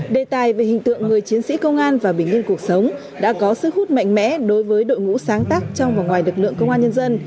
đề tài về hình tượng người chiến sĩ công an và bình yên cuộc sống đã có sức hút mạnh mẽ đối với đội ngũ sáng tác trong và ngoài lực lượng công an nhân dân